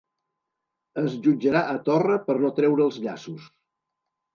Es jutjarà a Torra per no treure els llaços